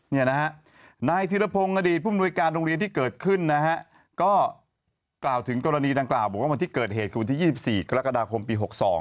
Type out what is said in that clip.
นี่นะฮะนายธิรพงศ์อดีตผู้มนุยการโรงเรียนที่เกิดขึ้นนะฮะก็กล่าวถึงกรณีดังกล่าวบอกว่าวันที่เกิดเหตุคือวันที่๒๔กรกฎาคมปี๖๒